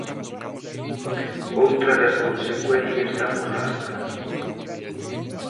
Outra das consecuencias da borrasca.